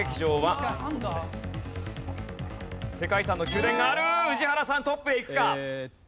世界遺産の宮殿がある宇治原さんトップへいくか？